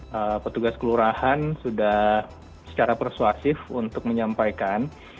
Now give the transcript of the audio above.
karena petugas kelurahan sudah secara persuasif untuk menyampaikan